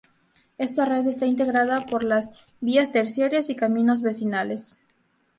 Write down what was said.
Esta red está integrada por las vías terciarias y caminos vecinales.